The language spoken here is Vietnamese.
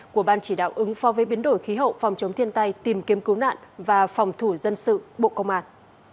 của ban chỉ đạo ứng phó với biến đổi khí hậu phòng chống thiên tai tìm kiếm cứu nạn và phòng thủ dân sự bộ công an